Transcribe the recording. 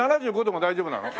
７５でも大丈夫なの？